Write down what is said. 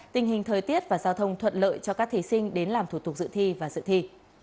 tình hình thời tiết và giao thông thuận lợi cho các thí sinh đến làm thủ tục dự thi và dự thi